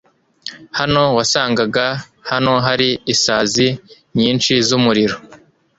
Hano wasangaga hano hari isazi nyinshi zumuriro.